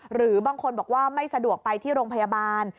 หรือบางคนบอกว่าไม่สะดวกไปที่โรงพยาบาล